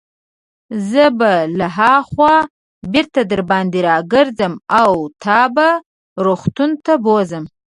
زه به له هاخوا بیرته درباندې راګرځم او تا به روغتون ته بوزم.